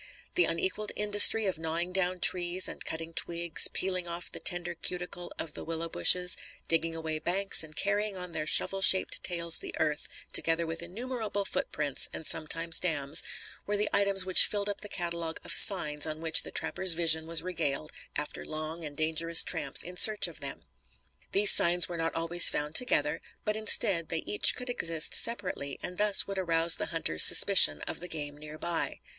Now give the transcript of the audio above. The unequalled industry of gnawing down trees and cutting twigs, peeling off the tender cuticle of the willow bushes, digging away banks, and carrying on their shovel shaped tails the earth, together with innumerable foot prints and sometimes dams, were the items which filled up the catalogue of "signs" on which the trappers' vision was regaled after long and dangerous tramps in search of them. These "signs" were not always found together; but instead, they each could exist separately and thus would arouse the hunter's suspicions of the game near by.